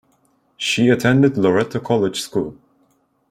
She attended Loretto College School.